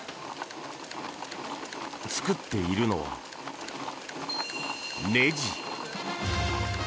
作っているのは、ねじ。